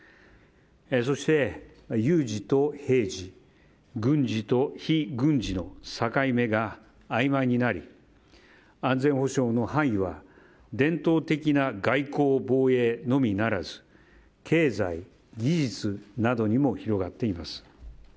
そして、有事と平事軍事と非軍事の境目があいまいになり安全保障の範囲は伝統的な外交防衛のみならず経済、技術などにも広がっています。